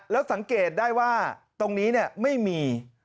แล้วสังเกตได้ว่าตรงนี้ไม่มี